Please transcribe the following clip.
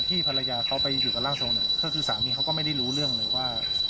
ภรรยาเขาไปอยู่กับร่างทรงเนี่ยก็คือสามีเขาก็ไม่ได้รู้เรื่องเลยว่า